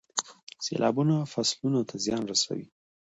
سیلابونه فصلونو ته زیان رسوي.